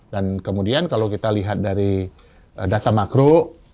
dan kemudian kalau kita lihat dari data makro